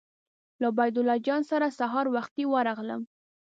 له عبیدالله جان سره سهار وختي ورغلم.